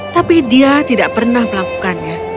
tapi dia tidak pernah melakukannya